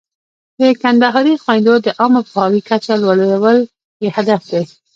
د کندهاري خویندو د عامه پوهاوي کچه لوړول یې هدف دی.